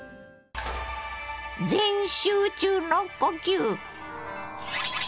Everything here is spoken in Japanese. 全集中の呼吸！